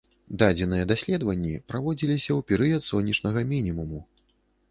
Дадзеныя даследаванні праводзіліся ў перыяд сонечнага мінімуму.